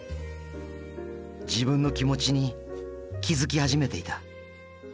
自分の気持ちに気付き始めていた